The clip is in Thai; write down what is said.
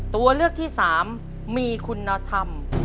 ตัวเลือกที่๓มีคุณธรรม